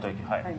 はい。